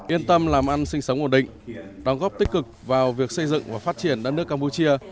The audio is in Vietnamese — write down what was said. yên tâm làm ăn sinh sống ổn định đóng góp tích cực vào việc xây dựng và phát triển đất nước campuchia